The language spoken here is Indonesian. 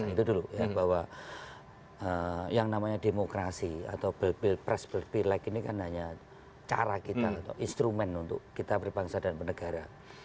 itu dulu ya bahwa yang namanya demokrasi atau pilpres berpilek ini kan hanya cara kita atau instrumen untuk kita berbangsa dan bernegara